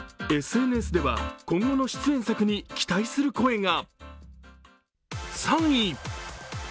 ＳＮＳでは今後の出演作に期待する声が。